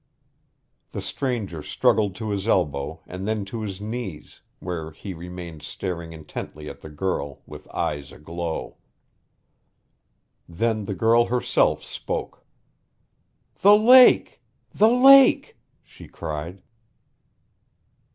The stranger struggled to his elbow and then to his knees, where he remained staring intently at the girl, with eyes aglow. Then the girl herself spoke. "The lake! The lake!" she cried.